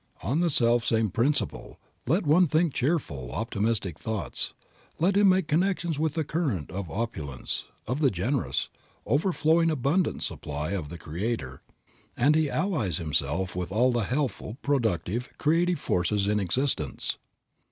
On the self same principle, let one think cheerful, optimistic thoughts, let him make connections with the current of opulence, of the generous, overflowing abundance supply of the Creator and he allies himself with all the helpful, productive, creative forces in existence.